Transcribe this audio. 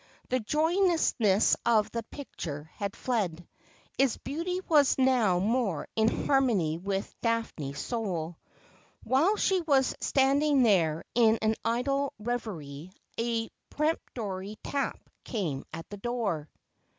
The joyousness of the picture had fled. Its beauty was now more in harmony with Daphne's soul. While she was standing there in an idle reverie, a peremptory tap came at the door.